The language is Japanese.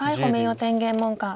天元門下。